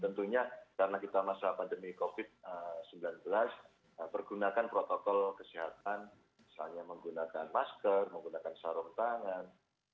tentunya karena kita masa pandemi covid sembilan belas pergunakan protokol kesehatan misalnya menggunakan masker menggunakan sarung tangan